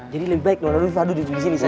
jadi lebih baik dona rifah duduk di sini saja